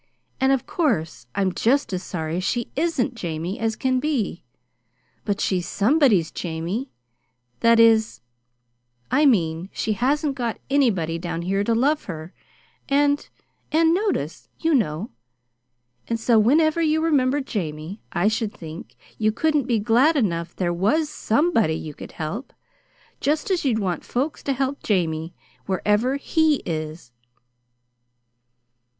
"And of course I'm just as sorry she ISN'T Jamie as can be. But she's somebody's Jamie that is, I mean she hasn't got anybody down here to love her and and notice, you know; and so whenever you remember Jamie I should think you couldn't be glad enough there was SOMEBODY you could help, just as you'd want folks to help Jamie, wherever HE is."